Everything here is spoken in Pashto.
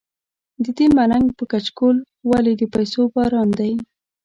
ددې ملنګ په کچکول ولې د پیسو باران دی.